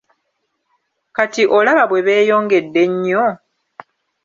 Kati olaba bwe beeyongedde ennyo?